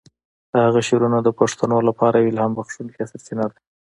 د هغه شعرونه د پښتنو لپاره یوه الهام بخښونکی سرچینه ده.